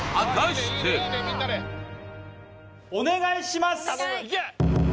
お願いします！